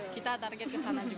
kita target kesana juga